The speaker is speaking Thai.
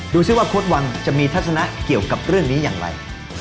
ซิว่าโค้ดวังจะมีทัศนะเกี่ยวกับเรื่องนี้อย่างไร